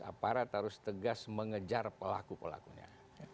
aparat harus tegas mengejar pelaku pelakunya